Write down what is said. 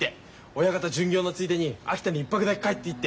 親方巡業のついでに秋田に１泊だけ帰っていいって。